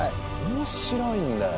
面白いんだよ。